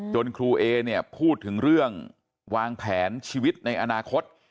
ครูเอเนี่ยพูดถึงเรื่องวางแผนชีวิตในอนาคต